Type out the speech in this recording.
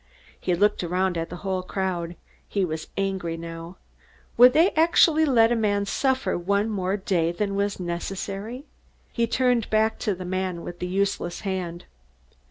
He looked around at the whole crowd. He was angry now. Would they actually let a man suffer one day more than was necessary? He turned back to the man with the useless hand.